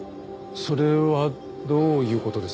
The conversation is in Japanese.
それはどういう事ですか？